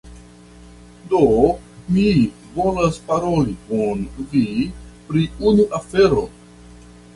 Do, mi volas paroli kun vi pri unu afero